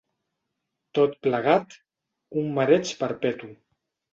Tot plegat, un mareig perpetu.